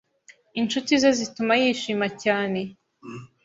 inshuti ze zituma yishima cyane